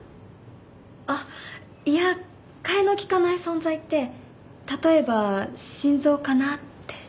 あっいや替えの利かない存在って例えば心臓かなって。